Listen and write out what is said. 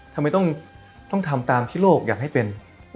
ทำไมต้องทำตามที่โลกอยากให้เป็น